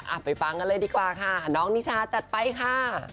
ไปฟังกันเลยดีกว่าค่ะน้องนิชาจัดไปค่ะ